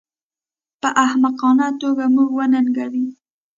په احمقانه توګه موږ وننګوي